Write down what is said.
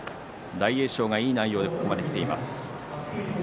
大栄翔がいい内容できています。